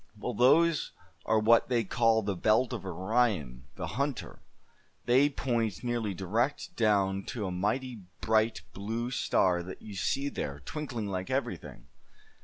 Well, those are what they call the belt of Orion, the Hunter. They point nearly direct down to a mighty bright blue star that you see there, twinkling like everything."